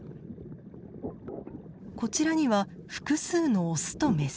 こちらには複数のオスとメス。